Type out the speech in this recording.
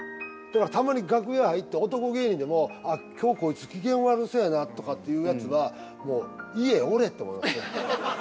たまに楽屋入って男芸人でもああ今日こいつ機嫌悪そうやなとかっていうやつはもう家おれと思いますね。